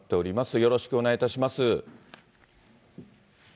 よろしくお願いします。